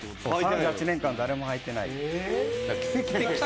３８年間、誰も履いてない。